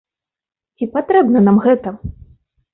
Ці патрэбна нам гэта?